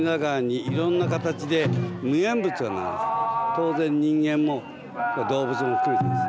当然人間も動物も含めてです。